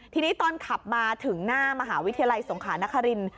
ทีนี้ตอนขับมาถึงหน้ามหาวิทยาลัยสงขานคริน